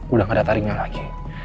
udah gak ada taringnya lagi